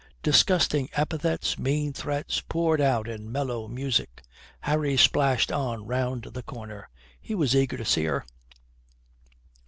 Disgusting epithets, mean threats, poured out in mellow music. Harry splashed on round the corner. He was eager to see her.